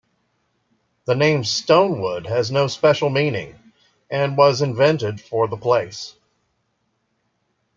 The name Stonewood has no special meaning, and was invented for the place.